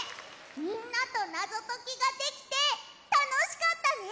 みんなとナゾときができてたのしかったね！